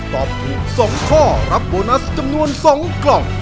ตอบถูก๒ข้อรับโบนัสจำนวน๒กล่อง